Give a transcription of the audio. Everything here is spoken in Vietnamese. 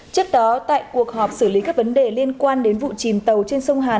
trước đó tại cuộc họp xử lý các vấn đề liên quan đến vụ chìm tàu trên sông hàn